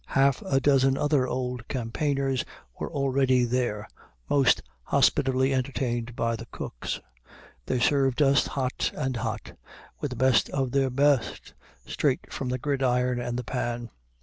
Half a dozen other old campaigners were already there, most hospitably entertained by the cooks. They served us, hot and hot, with the best of their best, straight from the gridiron and the pan.